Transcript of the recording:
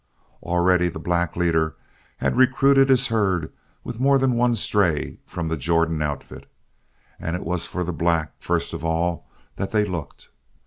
Already the black leader had recruited his herd with more than one stray from the Jordan outfit; and it was for the black, first of all, that they looked.